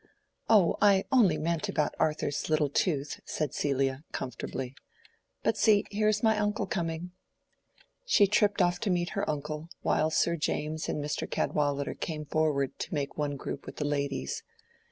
"Oh, I only meant about Arthur's little tooth," said Celia, comfortably. "But see, here is my uncle coming." She tripped off to meet her uncle, while Sir James and Mr. Cadwallader came forward to make one group with the ladies.